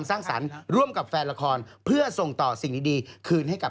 อีกทั้งยังมียอดแฟนคลับเนี่ยเข้ามากกว่า๗แสนคนแล้วนะครับ